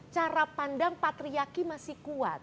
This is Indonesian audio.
cara pandang patriyaki masih kuat